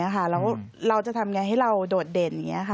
แล้วเราจะทำยังไงให้เราโดดเด่น